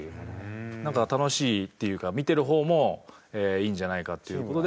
なんか楽しいっていうか見てる方もいいんじゃないかっていう事で。